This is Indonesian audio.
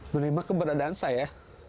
menerima keberadaan saya